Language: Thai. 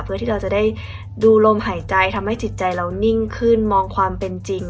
เพื่อที่เราจะได้ดูลมหายใจทำให้จิตใจเรานิ่งขึ้นมองความเป็นจริง